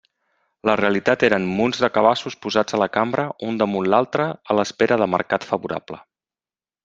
La realitat eren munts de cabassos posats a la cambra un damunt l'altre a l'espera de mercat favorable.